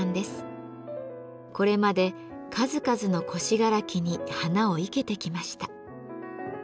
これまで数々の古信楽に花を生けてきました。